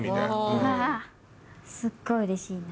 うわすっごいうれしいな。